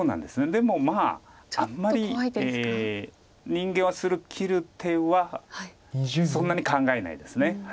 でもまああんまり人間はすぐ切る手はそんなに考えないです。